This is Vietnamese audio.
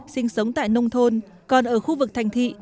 sinh sống tại nông thôn còn ở khu vực thành thị